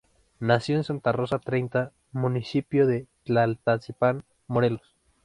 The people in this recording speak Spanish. Nació en Santa Rosa Treinta, municipio de Tlaltizapán, Morelos.